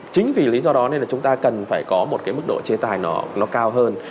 chính vì lý do đó nên là chúng ta cần phải có một cái mức độ chế tài nó cao hơn